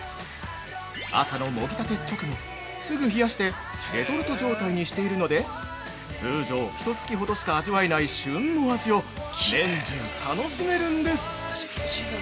朝のもぎたて直後、すぐ冷やしてレトルト状態にしているので通常、ひと月ほどしか味わえない旬の味を年中楽しめるんです！